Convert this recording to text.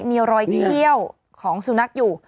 มีรอยเขี้ยวของสุนัขอยู่